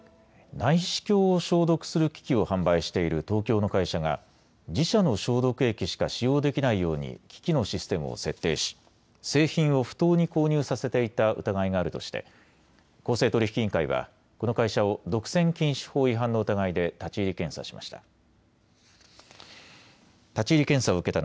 内視鏡を消毒する機器を販売している東京の会社が自社の消毒液しか使用できないように機器のシステムを設定し製品を不当に購入させていた疑いがあるとして公正取引委員会はこの会社を独占禁止法違反の疑いで立ち入り検査しました。